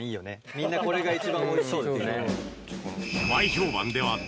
みんなこれが一番おいしそうって。